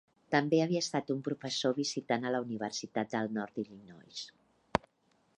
També havia estat un professor visitant a la Universitat del Nord d'Illinois.